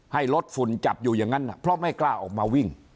ให้รถฝุ่นจับอยู่อย่างนั้นเพราะไม่กล้าออกมาวิ่ง